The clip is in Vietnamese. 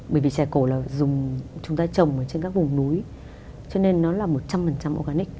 bởi vì chè cổ là dùng chúng ta trồng trên các vùng núi cho nên nó là một trăm linh organic